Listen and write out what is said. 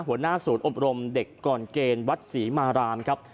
หัวหน้าศูนย์อบรมเด็กก่อนเกณฑ์วัดศรีมารามครับ